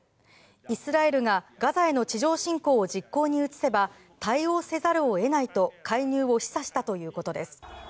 イスラエルがガザへの地上侵攻を実行に移せば対応せざるを得ないと介入を示唆したということです。